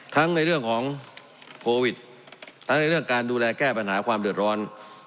ทั้งในเรื่องของโควิดทั้งในเรื่องการดูแลแก้ปัญหาความเดือดร้อน